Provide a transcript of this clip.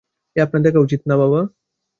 এ আপনার দেখা উচিত, না বাবা?